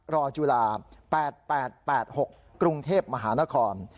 รอจุฬา๘๘๖กรุงเทพมหานคร